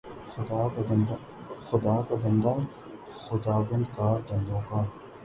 خدا کا بندہ، خداوندگار بندوں کا